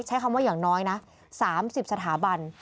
ใช้คำว่าอย่างน้อยนะ๓๐สถาบัน